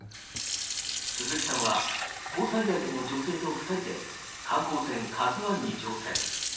鈴木さんは交際相手の女性と２人で観光船「ＫＡＺＵ１」に乗船。